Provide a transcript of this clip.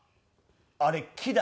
あれ木だ。